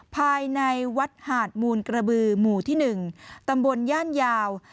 ภายในวัดหาดมูลกระบือหมู่ที่๑ตำบลย่านยาว